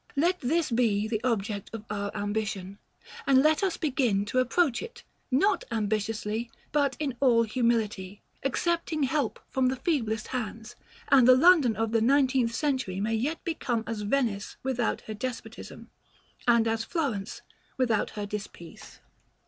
Let this be the object of our ambition, and let us begin to approach it, not ambitiously, but in all humility, accepting help from the feeblest hands; and the London of the nineteenth century may yet become as Venice without her despotism, and as Florence without her dispeace.